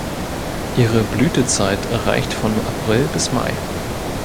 Ihre Blütezeit reicht von April bis Mai.